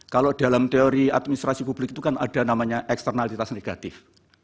kalau dalam teori administrasi publik itu kan ada namanya eksternalitas negatif